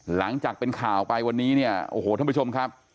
หลังจากเป็นข่าวไปวันนี้เนี่ยโอ้โหท่านผู้ชมครับ